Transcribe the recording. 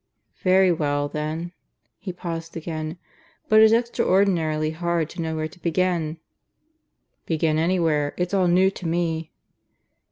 "Very well, then." He paused again. "But it's extraordinarily hard to know where to begin." "Begin anywhere. It's all new to me."